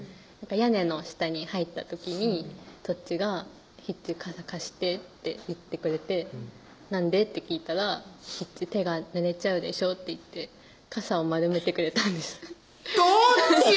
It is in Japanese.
屋根の下に入った時にとっちが「ひっち傘貸して」って言ってくれて「なんで？」って聞いたら「手がぬれちゃうでしょ」と言って傘をまるめてくれたんですとっち！